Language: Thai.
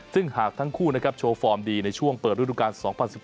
ซึ่งหากทั้งคู่นะครับโชว์ฟอร์มดีในช่วงเปิดฤดูการ๒๐๑๘